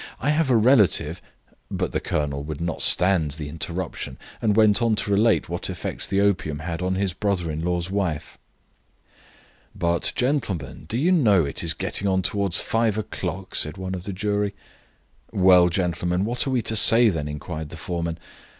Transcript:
I have a relative ," but the colonel would not stand the interruption, and went on to relate what effects the opium had on his brother in law's wife. "But, gentlemen, do you know it is getting on towards five o'clock?" said one of the jury. "Well, gentlemen, what are we to say, then?" inquired the foreman.